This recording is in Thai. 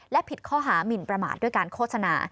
และผิดข้อหามินประมาทด้วยการโฆษณา